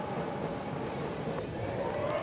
สวัสดีทุกคน